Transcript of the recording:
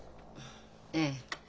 ええ。